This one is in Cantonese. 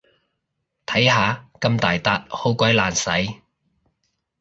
睇下，咁大撻好鬼難洗